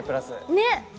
ねっ！